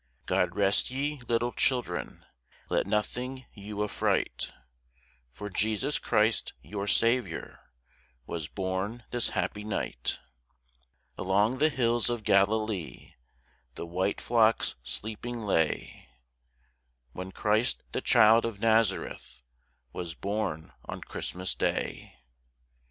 God rest ye, little children; let nothing you affright, For Jesus Christ, your Saviour, was born this happy night; Along the hills of Galilee the white flocks sleeping lay, When Christ, the child of Nazareth, was born on Christmas day.